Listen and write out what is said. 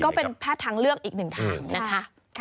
ก็เป็นแพทย์ทางเลือกอีกหนึ่งทางนะคะ